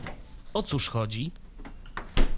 "O cóż chodzi?"